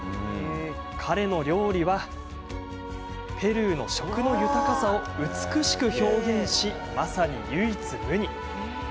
彼の料理はペルーの食の豊かさを美しく表現し、まさに唯一無二。